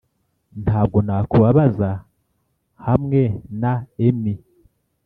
ntabwo nakubabaza hamwe na emi